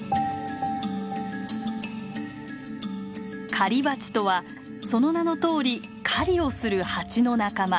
狩りバチとはその名のとおり狩りをするハチの仲間。